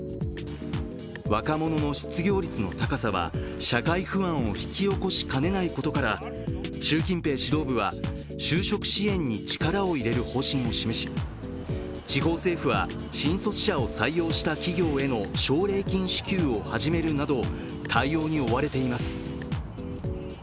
若者の失業率の高さは社会不安を引き起こしかねないことから、習近平指導部は、就職支援に力を入れる方針を示し地方政府は新卒者を採用した企業への奨励金支給を始めるなど、対応に追われています。